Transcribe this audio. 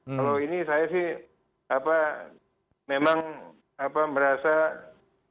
kalau ini saya sih apa memang apa merasa apa